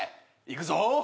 いくぞ。